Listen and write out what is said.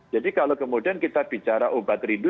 kalau kemudian kita bicara obat rindu